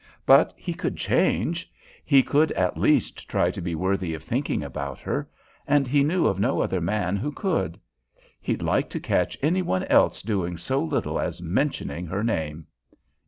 But he could change. He could at least try to be worthy of thinking about her, and he knew of no other man who could. He'd like to catch any one else doing so little as mentioning her name!